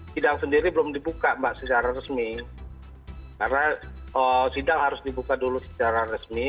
sidang sendiri belum dibuka mbak secara resmi karena sidang harus dibuka dulu secara resmi